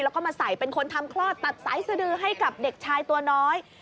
แล้วก็มาใส่เป็นคนทำคลอดตัดสายสดือให้กับเด็กชายตัวน้อย